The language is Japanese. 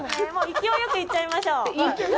勢いよく行っちゃいましょう。